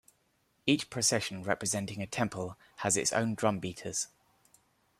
Each procession representing a temple has its own drum beaters.